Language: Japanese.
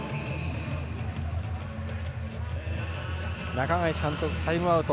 中垣内監督タイムアウト。